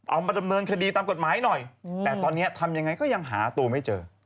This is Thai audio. เอามาดำเนินคดีตามกฎหมายหน่อยแต่ตอนนี้ทำยังไงก็ยังหาตัวไม่เจอ